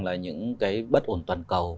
là những cái bất ổn toàn cầu